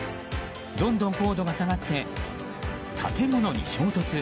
どんどん高度が下がって建物に衝突。